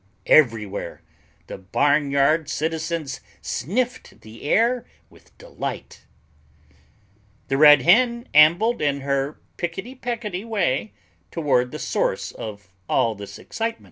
Everywhere the barnyard citizens sniffed the air with delight. The Red Hen ambled in her picketty pecketty way toward the source of all this excitement.